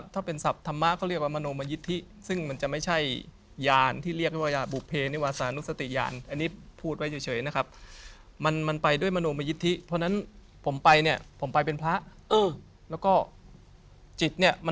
ตอนนั้นไม่มีลูกไม่มีเมีย